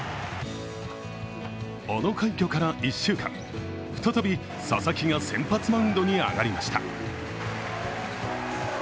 あの快挙から１週間、再び佐々木が先発マウンドに上がりました。